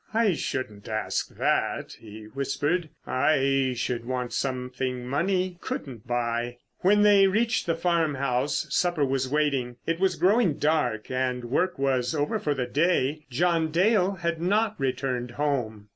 "I shouldn't ask that," he whispered. "I should want something money couldn't buy." When they reached the farmhouse supper was waiting. It was growing dark, and work was over for the day. John Dale had not returned home.